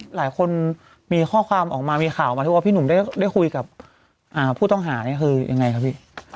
หลายคนมีข้อความออกมามีข่าวมาที่ว่าพี่หนุ่มได้คุยกับผู้ต้องหานี่คือยังไงครับพี่